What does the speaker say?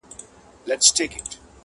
د مولوي د خندا کړس نه اورم -